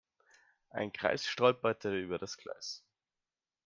Ein Greis stolperte über das Gleis.